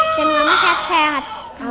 dan mama sehat sehat